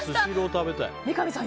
三上さん